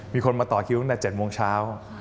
มีคนมาต่อคิวตั้งแต่๗โมงเช้า